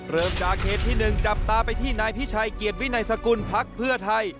เริ่มจากเหตุที่๑จับตาไปที่นายพิชัยเกียรติวินัยสกุลพักเพื่อไทย